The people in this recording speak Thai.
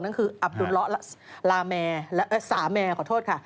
นั่นคืออับดุละสามแมร์